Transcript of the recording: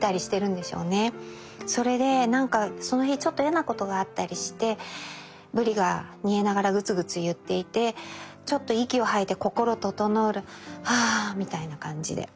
それでなんかその日ちょっと嫌なことがあったりして鰤が煮えながらグツグツいっていてちょっと息を吐いて心ととのふるあみたいな感じで。